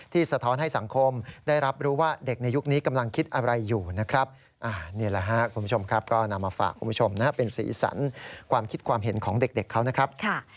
สะท้อนให้สังคมได้รับรู้ว่าเด็กในยุคนี้กำลังคิดอะไรอยู่นะครับนี่แหละครับคุณผู้ชมครับก็นำมาฝากคุณผู้ชมนะครับเป็นสีสันความคิดความเห็นของเด็กเขานะครับ